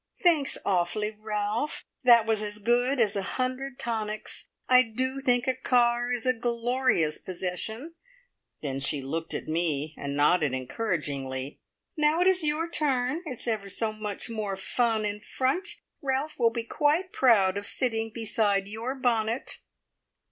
"Thanks awfully, Ralph. That was as good as a hundred tonics! I do think a car is a glorious possession." Then she looked at me and nodded encouragingly. "Now it is your turn! It's ever so much more fun in front. Ralph will be quite proud of sitting beside your bonnet!"